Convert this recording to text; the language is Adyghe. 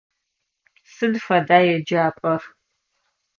Сыд фэда еджапӏэр?